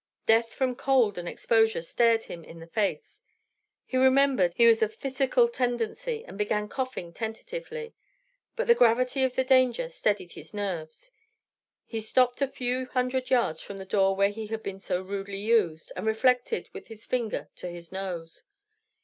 Death from cold and exposure stared him in the face; he remembered he was of phthisical tendency, and began coughing tentatively. But the gravity of the danger steadied his nerves. He stopped a few hundred yards from the door where he had been so rudely used, and reflected with his finger to his nose.